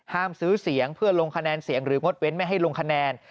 ซื้อเสียงเพื่อลงคะแนนเสียงหรืองดเว้นไม่ให้ลงคะแนน